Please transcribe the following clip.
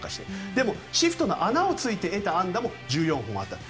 でも、シフトの穴を突いて得た安打も１４本あったと。